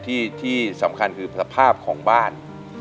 แต่จะสำคัญคือในสถาบกิตแบบของบ้าน